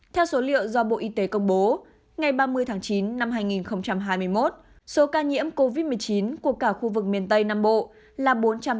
theo số liệu do bộ y tế công bố ngày ba mươi tháng chín năm hai nghìn hai mươi một số ca nhiễm covid một mươi chín của cả khu vực miền tây nam bộ là bốn trăm tám mươi ca